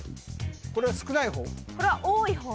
これは少ない方？